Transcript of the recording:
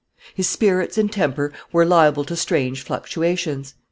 His spirits and temper were liable to strange fluctuations.